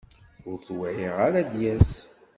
Ur t-wεiɣ ara ad d-yas.